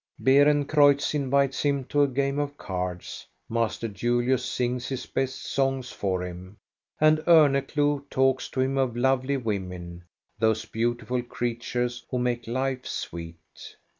Beerencreutz invites him to a game of cards. Mas ter Julius sings his best songs for him, and Orneclou talks to him of lovely women, those beautiful creat ures who make life sweet.